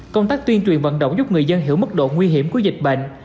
công tác tuyên truyền vận động giúp người dân hiểu mức độ nguy hiểm của dịch bệnh